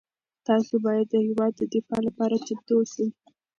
تاسو باید د هېواد د دفاع لپاره چمتو اوسئ.